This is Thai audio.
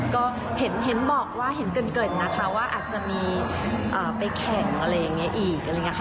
ก็เห็นบอกว่าเห็นเกินนะคะว่าอาจจะมีไปแข่งอะไรอย่างนี้อีก